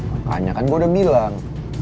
makanya kan gue udah bilang